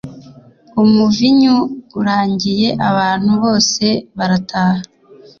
Umuvinyu urangiye abantu bose barataha